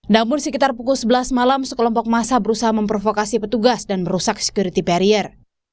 namun sekitar pukul sebelas malam sekelompok masa berusaha memprovokasi petugas dan merusak security barrier